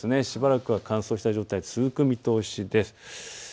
しばらくは乾燥した状態が続く見通しです。